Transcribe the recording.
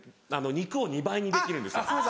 肉を２倍にできるんですよ。